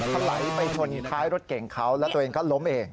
คันที่๓กำลังมาครับ